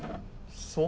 そう？